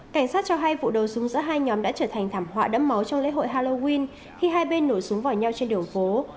cảnh sát cho hay vụ đồ súng giữa hai nhóm đã trở thành thảm họa đẫm máu trong lễ hội halloween khi hai bên nổ súng vào nhau trên đường phố